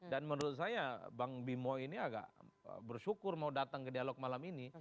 dan menurut saya bang bimo ini agak bersyukur mau datang ke dialog malam ini